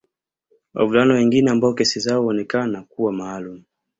Wavulana wengine ambao kesi zao huonekana kuwa maalumu